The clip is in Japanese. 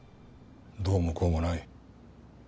どうもこうもない。